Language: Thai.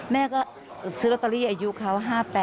แม่ก็ซื้อลอตเตอรี่อายุเขา๕๘